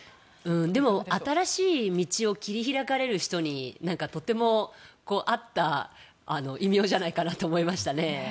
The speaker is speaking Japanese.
でも新しい道を切り開かれる人にとても合った異名じゃないかなと思いましたね。